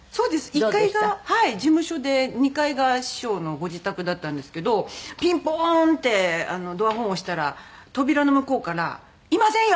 １階が事務所で２階が師匠のご自宅だったんですけどピンポーンってドアホン押したら扉の向こうから「いませんよ！